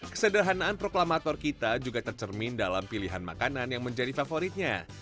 kesederhanaan proklamator kita juga tercermin dalam pilihan makanan yang menjadi favoritnya